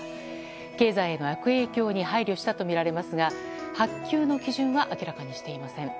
経済への悪影響に配慮したとみられますが発給の基準は明らかにしていません。